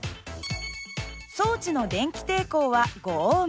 装置の電気抵抗は５Ω。